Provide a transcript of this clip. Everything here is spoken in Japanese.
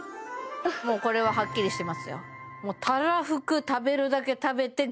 もうこれははっきりしてますよ